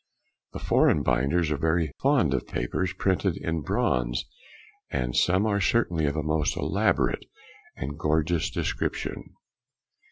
The foreign binders are very fond of papers printed in bronze, and some are certainly of a most elaborate and gorgeous description.